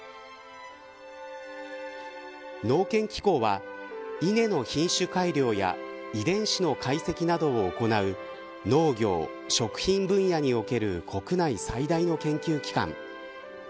農研機構は稲の品種改良や遺伝子の解析などを行う農業・食品分野における国内最大の研究機関。